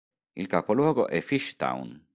Il capoluogo è Fish Town.